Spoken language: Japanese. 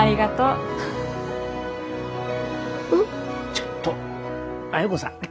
ちょっと亜哉子さん。